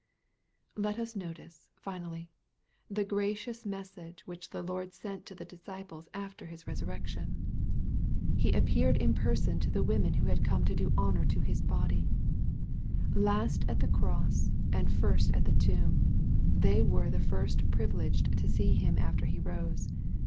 407 Lot us notice, finally, the gracious message which the Lord sent to the disciples after His resurrection. He appeared in person to the women who had come to do honor to His* body. Last at the cross and first at the tomb, they were the first privileged to see Him after He rose.